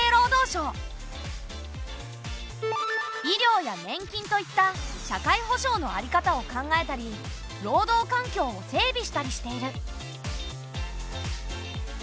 医療や年金といった社会保障のあり方を考えたり労働環境を整備したりしている。